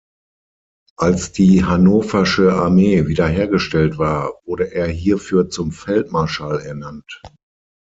Als die hannoversche Armee wiederhergestellt war, wurde er hierfür zum Feldmarschall ernannt.